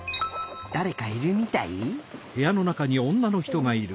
だれかいるみたい？